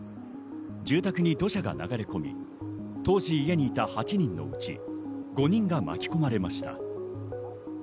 住宅に土砂が流れ込み、当時、家にいた８人のうち５人が巻き込まれました。